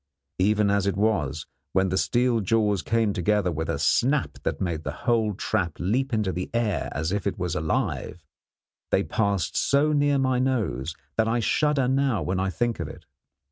Even as it was, when the steel jaws came together with a snap that made the whole trap leap into the air as if it was alive, they passed so near my nose that I shudder now when I think of it.